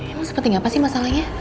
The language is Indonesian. emang seperti apa sih masalahnya